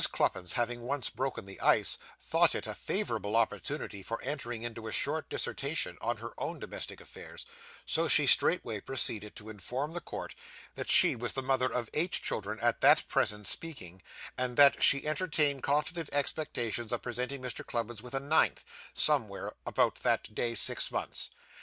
Cluppins having once broken the ice, thought it a favourable opportunity for entering into a short dissertation on her own domestic affairs; so she straightway proceeded to inform the court that she was the mother of eight children at that present speaking, and that she entertained confident expectations of presenting Mr. Cluppins with a ninth, somewhere about that day six months.